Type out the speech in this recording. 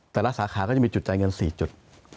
แต่ละสาขาก็จะมีจุดจ่ายเงิน๔จุด